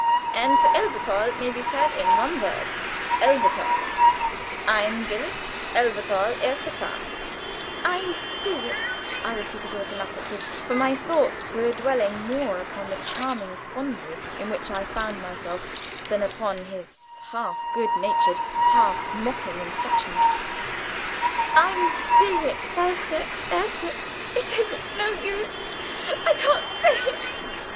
"And 'to Elberthal' may be said in one word, 'Elberthal.' 'Ein Billet Elberthal erster Classe.'" "Ein Bill yet," I repeated, automatically, for my thoughts were dwelling more upon the charming quandary in which I found myself than upon his half good natured half mocking instructions: "Ein Bill yet, firste erste it is of no use. I can't say it.